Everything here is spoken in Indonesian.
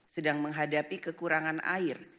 sedang menghadapi kekurangan air